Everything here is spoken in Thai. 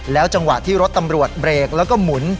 จังหวะที่รถตำรวจเบรกแล้วก็หมุน